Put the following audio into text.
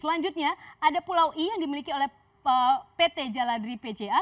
selanjutnya ada pulau i yang dimiliki oleh pt jaladri pja